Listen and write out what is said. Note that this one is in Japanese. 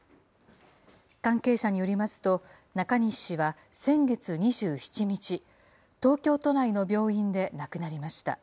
関係者によりますと、中西氏は先月２７日、東京都内の病院で亡くなりました。